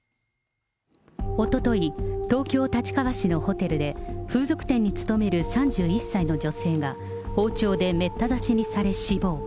おととい、東京・立川市のホテルで、風俗店に勤める３１歳の女性が、包丁でめった刺しにされ死亡。